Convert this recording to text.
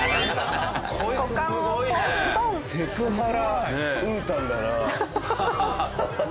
セクハラウータンだな。